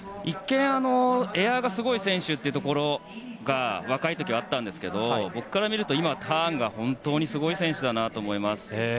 一見エアがすごい選手というところが若い時はあったんですが僕から見るとターンが本当にすごい選手だなと思います。